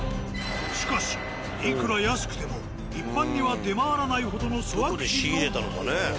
しかしいくら安くても一般には出回らないほどの粗悪品の桃。